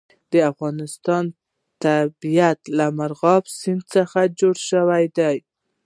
د افغانستان طبیعت له مورغاب سیند څخه جوړ شوی دی.